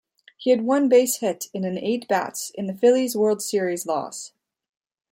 He had one base hit in eight at-bats in the Phillies' World Series loss.